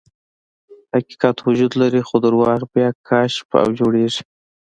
حقیقت وجود لري، خو درواغ بیا کشف او جوړیږي.